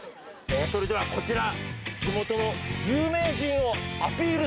それではこちら。